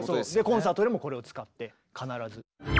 コンサートでもこれを使って必ず。